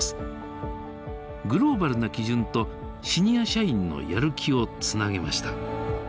グローバルな基準とシニア社員のやる気をつなげました。